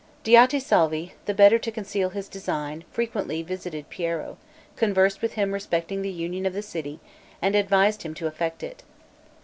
Diotisalvi, the better to conceal his design, frequently visited Piero, conversed with him respecting the union of the city, and advised him to effect it.